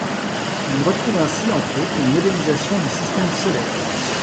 On y retrouve ainsi, entre autres, une modélisation du Système solaire.